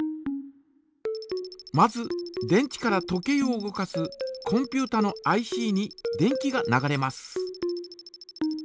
まず電池から時計を動かすコンピュータのＩＣに電気が流れます。